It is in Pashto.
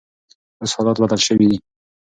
اوس حالات بدل شوي دي.